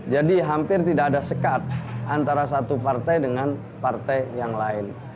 jadi hampir tidak ada sekat antara satu partai dengan partai yang lain